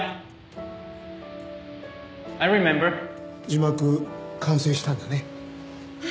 字幕完成したんだね。